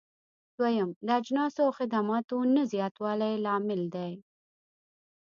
دويم: د اجناسو او خدماتو نه زیاتوالی لامل دی.